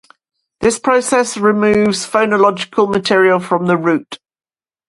This process removes phonological material from the root.